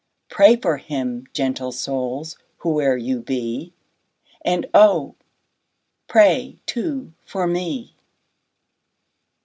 Pray for him, gentle souls, whoe'er you be, 25 And, O, pray too for me!